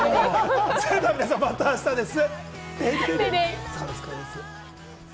それでは皆さん、またあしたです。